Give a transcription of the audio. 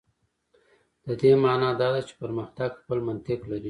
د دې معنا دا ده چې پرمختګ خپل منطق لري.